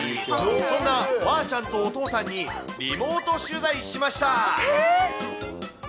そんなわーちゃんとお父さんに、リモート取材しました。